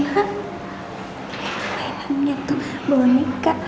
mainannya tuh bonika